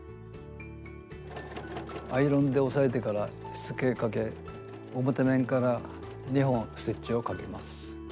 アイロンで押さえてからしつけをかけ表面から２本ステッチをかけます。